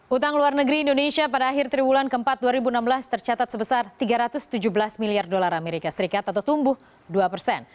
utang luar negeri indonesia pada akhir triwulan keempat dua ribu enam belas tercatat sebesar tiga ratus tujuh belas miliar dolar amerika serikat atau tumbuh dua persen